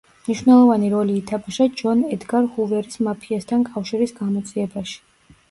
მნიშვნელოვანი როლი ითამაშა ჯონ ედგარ ჰუვერის მაფიასთან კავშირის გამოძიებაში.